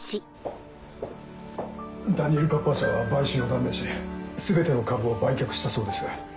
ダニエル・カッパー社は買収を断念し全ての株を売却したそうです。